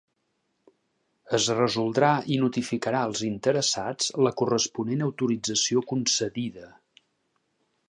Es resoldrà i notificarà als interessats la corresponent autorització concedida.